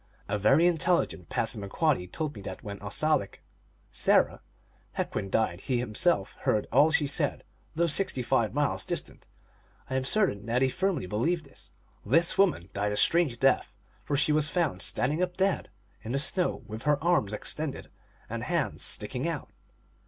A very intelligent Passamaquoddy told me that when Osalik (Sarah) Hequin died he himself heard all she said, though sixty five miles distant. I am certain that he firmly believed this. This woman died a strange death, for she was found standing up, dead, in the snow, with her arms extended and " hands sticking out."